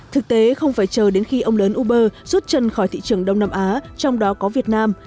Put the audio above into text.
thực tế không phải chờ đến khi ông lớn uber rút chân khỏi thị trường đông nam á trong đó có việt nam